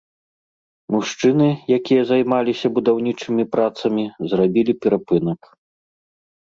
Мужчыны, якія займаліся будаўнічымі працамі, зрабілі перапынак.